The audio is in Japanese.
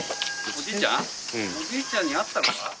おじいちゃんに会ったか？